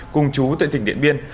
cùng chú tại tỉnh điện biên